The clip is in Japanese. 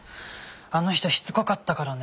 あの人しつこかったからね。